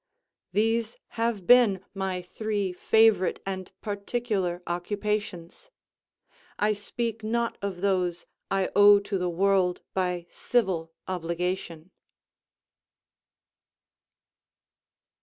These have been my three favourite and particular occupations; I speak not of those I owe to the world by civil obligation.